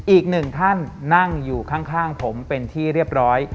อีกหนึ่งท่านนั่งอยู่ข้างผมเป็นที่เรียบร้อย